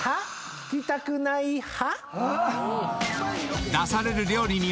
聞きたくない派？］